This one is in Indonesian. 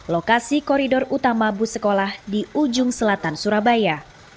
lokasi koridor utama bus sekolah di ujung selatan surabaya